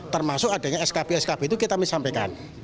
termasuk adanya skp skp itu kita kami sampaikan